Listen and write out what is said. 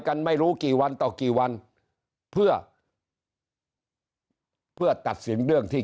ไม่รู้กี่วันต่อกี่วันเพื่อเพื่อตัดสินเรื่องที่